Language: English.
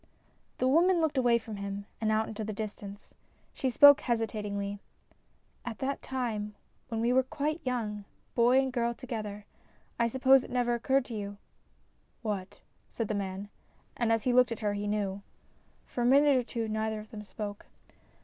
The woman looked away from him and out into the distance. She spoke hesitatingly. "At that time, when we were quite young, boy and girl together, I suppose it never occurred to you "" What ?" said the man. And as he looked at her he knew. For a minute or two neither of them spoke.